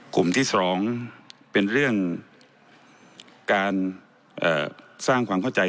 กลุ่มที่๒เป็นเรื่องการสร้างความเข้าใจ